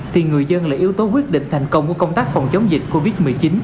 thì người dân là yếu tố quyết định thành công của công tác phòng chống dịch covid một mươi chín